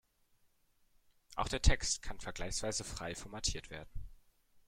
Auch der Text kann vergleichsweise frei formatiert werden.